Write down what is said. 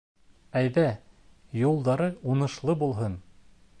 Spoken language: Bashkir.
Әйҙә, юлдары уңышлы булһын!